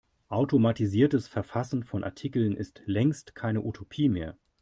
Automatisiertes Verfassen von Artikeln ist längst keine Utopie mehr.